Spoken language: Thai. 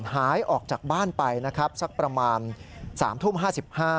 หายออกจากบ้านไปนะครับสักประมาณ๓ทุ่ม๕๕